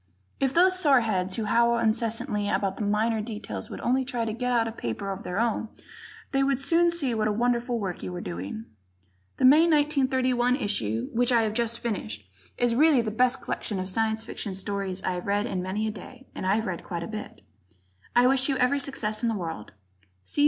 If those soreheads who howl incessantly about minor details would only try to get out a paper of their own they would soon see what a wonderful work you are doing. The May 1931, issue, which I have just finished, is really the best collection of Science Fiction stories I've read in many a day, and I've read quite a bit. I wish you every success in the world.